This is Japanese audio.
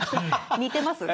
似てますね。